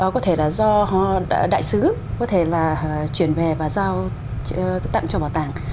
có thể là do đại sứ có thể là chuyển về và giao tặng cho bảo tàng